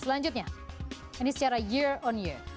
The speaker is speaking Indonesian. selanjutnya ini secara year on year